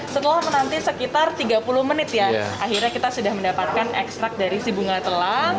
setelah menanti sekitar tiga puluh menit ya akhirnya kita sudah mendapatkan ekstrak dari si bunga telang